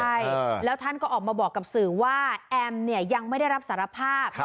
ใช่แล้วท่านก็ออกมาบอกกับสื่อว่าแอมเนี่ยยังไม่ได้รับสารภาพ